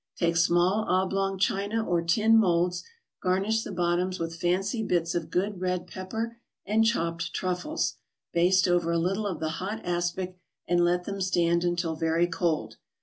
Take small oblong china or tin molds, garnish the bottoms with fancy bits of good red pepper and chopped truffles, baste over a little of the hot aspic, and let them stand until very cold.